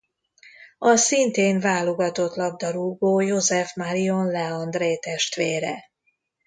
A szintén válogatott labdarúgó Joseph-Marion Leandré testvére.